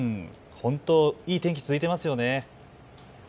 本当、いい天気続いていますよね。